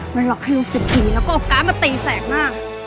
มันหลอกให้รู้สึกที่มีแล้วก็โอกาสมาตีแสงมาก